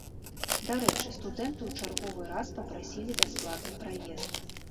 Дарэчы, студэнты ў чарговы раз папрасілі бясплатны праезд.